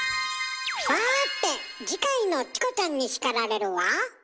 さて次回の「チコちゃんに叱られる」は？